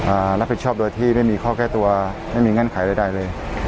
รับผิดชอบโดยที่ไม่มีข้อแก้ตัวไม่มีเงื่อนไขใดใดเลย